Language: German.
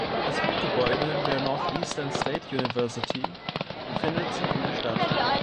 Das Hauptgebäude der Northeastern State University befindet sich in der Stadt.